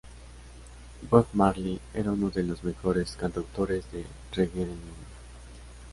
Bob Marley era uno de los mejores cantautores de reggae del mundo.